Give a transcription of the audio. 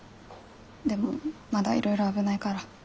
でもまだいろいろ危ないから。